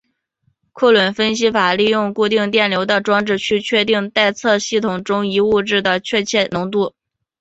库伦分析法利用固定电流的装置去确定待测系统中一物质的确切浓度。